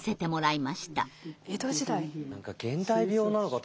何か現代病なのかと思ってた。